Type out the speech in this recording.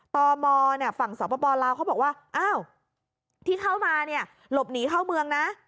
ตอบมฝั่งสปลาวเขาบอกว่าที่เข้ามาหลบหนีเข้าเมืองนะ